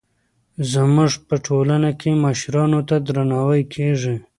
زموږ په ټولنه کې مشرانو ته درناوی کېږي.